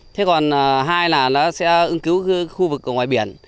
thế còn hai là nó sẽ ứng cứu khu vực ngoài biển